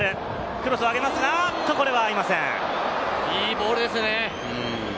クロスいいボールですね。